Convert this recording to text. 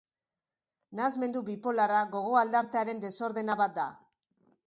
Nahasmendu bipolarra gogo-aldartearen desordena bat da.